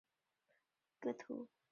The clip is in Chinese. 圣米歇尔德拉罗埃人口变化图示